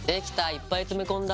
いっぱい詰め込んだ。